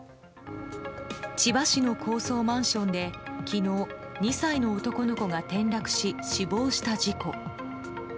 千葉市の高級マンションで昨日、２歳の男の子が転落し死亡した事故。